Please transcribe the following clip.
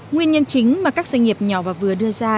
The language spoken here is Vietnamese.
nguyên nhân chính mà các doanh nghiệp nhỏ và vừa đưa ra